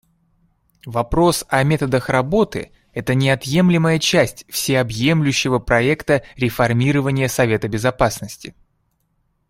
Вопрос о методах работы — это неотъемлемая часть всеобъемлющего проекта реформирования Совета Безопасности.